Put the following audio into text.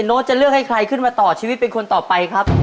โน้ตจะเลือกให้ใครขึ้นมาต่อชีวิตเป็นคนต่อไปครับ